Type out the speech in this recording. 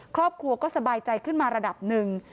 ครอบครัวก็สบายใจขึ้นมาระดับหนึ่ง